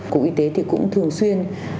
cục y tế cũng thường xuyên